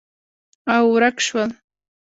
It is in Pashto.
او، ورک شول